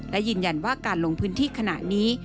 และยืนยันว่าการลงพื้นที่ขณะนี้